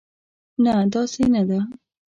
نه، داسې نه ده.